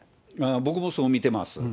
僕もそう見てます。